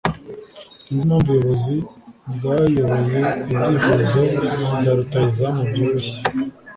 Sinzi impamvu ubuyobozi bwayoboye ibyifuzo bya rutahizamu byoroshye.